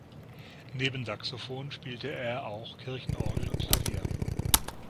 Neben Saxophon spielte er auch Kirchenorgel und Klavier.